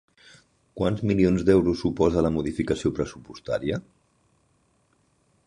Quants milions d'euros suposa la modificació pressupostària?